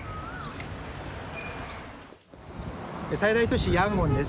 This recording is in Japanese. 最大都市ヤンゴンです。